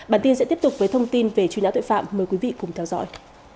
bản tin sẽ tiếp tục với thông tin về truy nã tội phạm mời quý vị cùng theo dõi